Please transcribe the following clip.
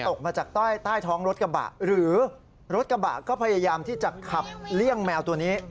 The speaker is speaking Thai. ตกมาจากใต้ท้องรถกระบะหรือรถกระบะก็พยายามที่จะขับเลี่ยงแมวตัวนี้